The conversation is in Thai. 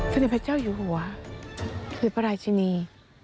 สันติพระเจ้าอยู่หัวคือพระรายชนี